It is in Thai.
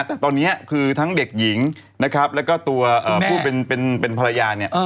แต่ตอนนี้คือทั้งเด็กหญิงนะครับแล้วก็ตัวผู้เป็นภรรยาเนี่ย